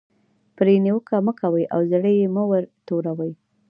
پرې نیوکه مه کوئ او زړه یې مه ور توروئ.